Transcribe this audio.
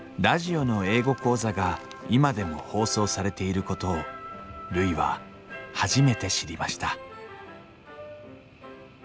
ラジオの英語講座が今でも放送されていることをるいは初めて知りました